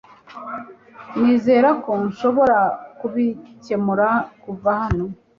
Nizera ko nshobora kubikemura kuva hano